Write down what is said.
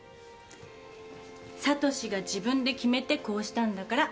聡が自分で決めてこうしたんだから。